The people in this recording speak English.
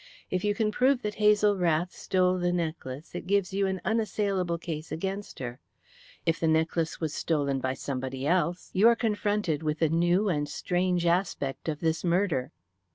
If you can prove that Hazel Rath stole the necklace, it gives you an unassailable case against her. If the necklace was stolen by somebody else, you are confronted with a new and strange aspect of this murder."